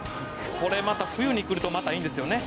「これまた冬に来るといいんですよね